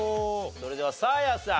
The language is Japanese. それではサーヤさん。